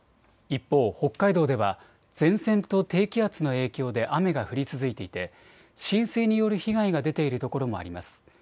一方、北海道では前線と低気圧の影響で雨が降り続いていて浸水による被害が出ている所もあります。